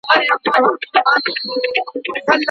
مصنوعي تنفس څنګه ورکول کیږي؟